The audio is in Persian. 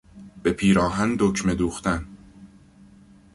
به پیراهن دکمه دوختن